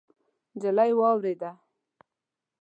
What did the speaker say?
نجلۍ واورېده.